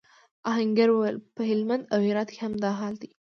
آهنګر وویل پهلمند او هرات کې هم دا حال دی.